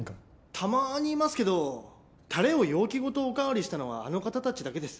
たまにいますけどタレを容器ごとおかわりしたのはあの方達だけです